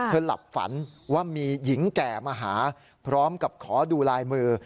หลับฝันว่ามีหญิงแก่มาหาพร้อมกับขอดูลายมือ